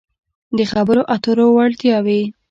-د خبرو اترو وړتیاوې